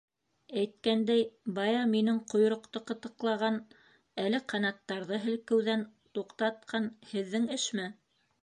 Әйткәндәй, бая минең ҡойроҡто ҡытыҡлаған, әле ҡанаттарҙы һелкеүҙән туҡтатҡан һеҙҙең эшме?